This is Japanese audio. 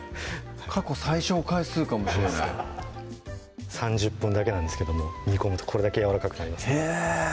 過去最少回数かもしれない３０分だけなんですけども煮込むとこれだけやわらかくなりますね